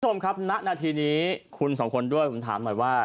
คุณผู้ชมครับณนาทีนี้คุณสองคนด้วยผมถามหน่อยว่า